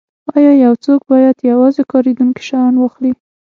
ایا یو څوک باید یوازې کاریدونکي شیان واخلي